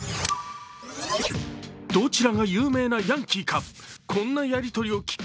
どちらが有名なヤンキーか？